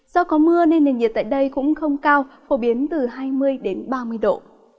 do có mưa nên nền nhiệt tại đây cũng không cao phổ biến từ hai mươi ba mươi độ